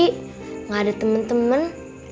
tidak ada teman teman